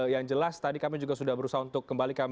yang jelas tadi kami juga sudah berusaha untuk kembali